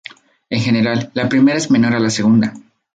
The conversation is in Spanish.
En general, la primera es menor a la segunda.